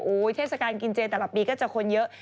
เทศกาลกินเจแต่ละปีก็จะคนเยอะ